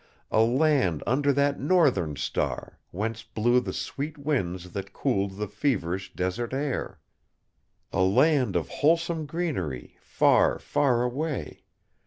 A land under that Northern star, whence blew the sweet winds that cooled the feverish desert air. A land of wholesome greenery, far, far away.